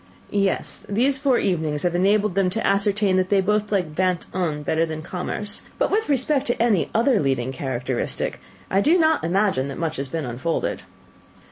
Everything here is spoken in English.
"Yes: these four evenings have enabled them to ascertain that they both like Vingt un better than Commerce, but with respect to any other leading characteristic, I do not imagine that much has been unfolded."